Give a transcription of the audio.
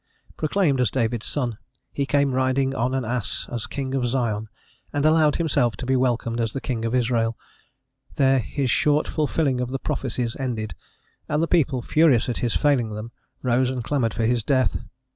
Proclaimed as David's son, he came riding on an ass as king of Zion, and allowed himself to be welcomed as the king of Israel: there his short fulfilling of the prophecies ended, and the people, furious at his failing them, rose and clamoured for his death.